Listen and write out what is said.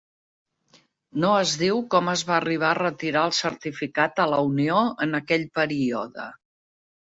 No es diu com es va arribar a retirar el certificat a la unió en aquell període.